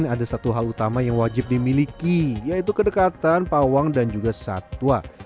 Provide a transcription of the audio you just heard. ada satu hal utama yang wajib dimiliki yaitu kedekatan pawang dan juga satwa